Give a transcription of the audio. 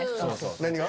何が？